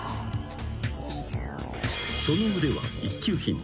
［その腕は一級品］